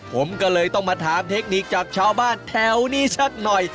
ผมก็เลยต้องมาถามเทคนิคจากชาวบ้านแถวนี้สักหน่อย